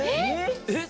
えっ？